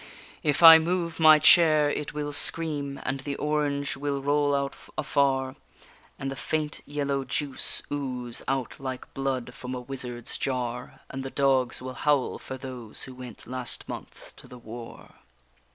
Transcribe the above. _ If I move my chair it will scream, and the orange will roll out afar, And the faint yellow juice ooze out like blood from a wizard's jar; And the dogs will howl for those who went last month to the war.